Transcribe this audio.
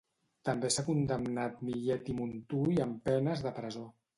També s'ha condemnat Millet i Montull amb penes de presó.